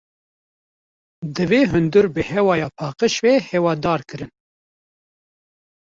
Divê hundir bi hewaya paqîj bê hawadarkirin